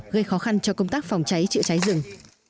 gây khó khăn cho công tác phòng cháy chữa cháy rừng